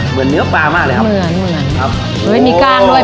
เหมือนเนื้อปลามากเลยครับเหมือนเหมือนครับเฮ้ยมีกล้างด้วย